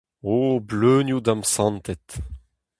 O bleunioù damsantet !